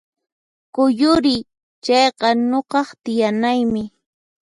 Kuyuriy! Chayqa nuqaq tiyanaymi